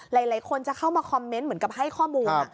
หลายคนจะเข้ามาคอมเมนต์เหมือนกับให้ข้อมูล